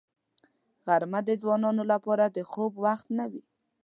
غرمه د ځوانانو لپاره د خوب وخت نه وي